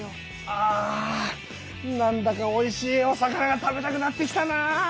あなんだかおいしいお魚が食べたくなってきたな！